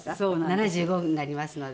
７５になりますので。